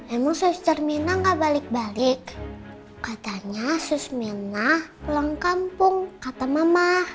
emang suster minah nggak balik balik katanya suster minah pulang kampung kata mama